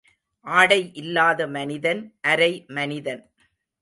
ஆடை இல்லாத மனிதன் அரை மனிதன்.